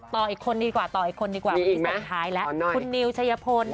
ต่ออีกคนนี้ดีกว่านี้ละคุณนิวชะยะพลค่ะ